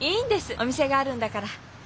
お店があるんだから。